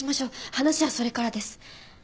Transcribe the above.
話はそれからです。